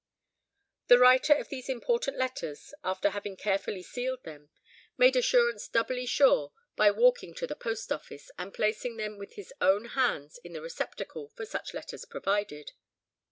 The writer of these important letters, after having carefully sealed them, made assurance doubly sure by walking to the post office, and placing them with his own hands in the receptacle for such letters provided.